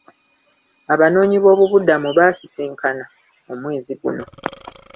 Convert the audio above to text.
Abanoonyiboobubudamu baasisinkana omwezi guno.